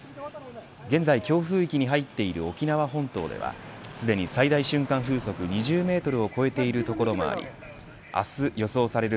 現在、強風域に入っている沖縄本島ではすでに最大瞬間風速２０メートルを超えている所もあり明日予想される